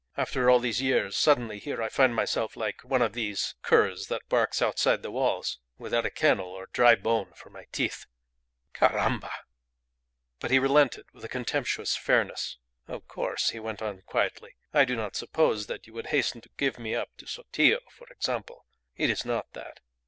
After all these years, suddenly, here I find myself like one of these curs that bark outside the walls without a kennel or a dry bone for my teeth. Caramba!" But he relented with a contemptuous fairness. "Of course," he went on, quietly, "I do not suppose that you would hasten to give me up to Sotillo, for example. It is not that.